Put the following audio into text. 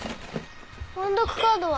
音読カードは？